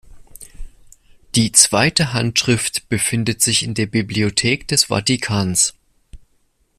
Die zweite Handschrift befindet sich in der Bibliothek des Vatikans.